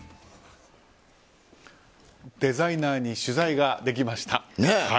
デザイナーに取材ができました。